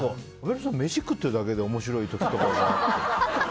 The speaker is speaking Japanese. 飯食ってるだけで面白い時とかあって。